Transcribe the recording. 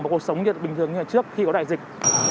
và cuộc sống sẽ được bình thường như trước khi có đại dịch